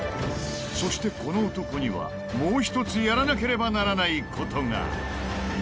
そしてこの男にはもう一つやらなければならない事が。